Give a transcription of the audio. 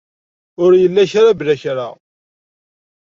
Ur illa kra bla kra.